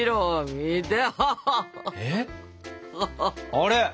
あれ？